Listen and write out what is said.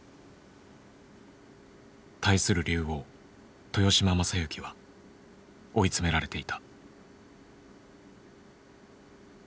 対する竜王豊島将之は追い詰められていた。